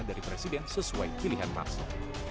dari presiden sesuai pilihan partai